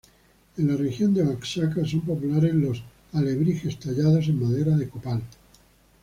En la región de Oaxaca son populares los alebrijes tallados en madera de copal.